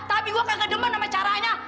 tapi gua kagak demen sama caranya